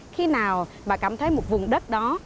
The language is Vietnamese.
khi nào mà cảm thấy một vùng đất đó